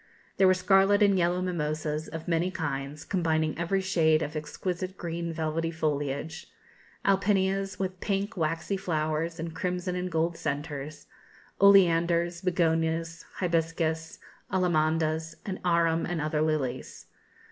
There were scarlet and yellow mimosas, of many kinds, combining every shade of exquisite green velvety foliage, alpinias, with pink, waxy flowers and crimson and gold centres, oleanders, begonias, hibiscus, allamandas, and arum and other lilies.